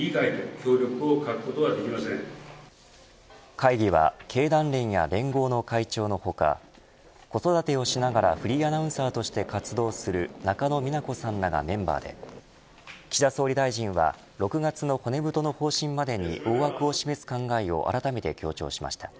会議は経団連や連合の会長の他子育てをしながらフリーアナウンサーとして活動する中野美奈子さんらがメンバーで岸田総理大臣は６月の骨太の方針までに大枠を示す考えをあらためて強調しました。